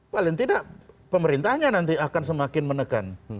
paling tidak pemerintahnya nanti akan semakin menekan